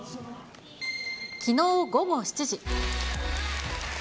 きのう午後７時。